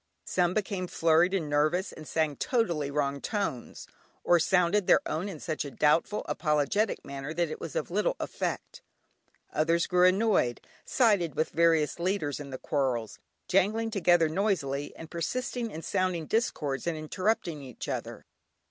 Some became flurried and nervous, and sang totally wrong tones, or sounded their own in such a doubtful, apologetic manner that it was of very little effect. Others grew annoyed, sided with various leaders in the quarrels, jangling together noisily, and persisting in sounding discords and interrupting each other.